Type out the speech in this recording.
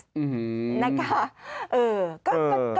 อื้อฮือนะครับ